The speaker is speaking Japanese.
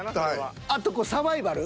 あとこうサバイバル。